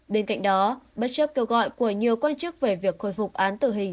bên cạnh đó bất chấp kêu gọi của nhiều quan chức về việc khôi phục án tử hình